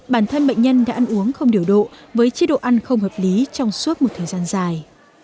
bản thân bệnh nhân đã ăn uống không điều độ với chế độ ăn không hợp lý trong suốt một thời gian dài